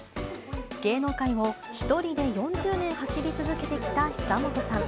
芸能界をひとりで４０年走り続けてきた久本さん。